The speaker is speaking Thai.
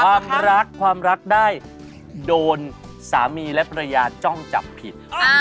ความรักความรักได้โดนสามีและภรรยาจ้องจับผิด